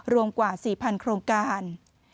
รวมกว่า๔๐๐โครงการ